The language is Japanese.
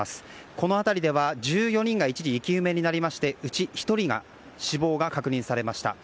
この辺りでは１４人が一時生き埋めになりましてうち１人、死亡が確認されました。